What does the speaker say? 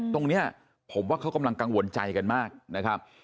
ตรงนี้ผมว่าเขากำลังกังวลใจกันมากนะครับ